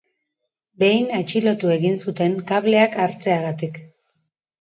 Behin atxilotu egin zuten kableak hartzeagatik.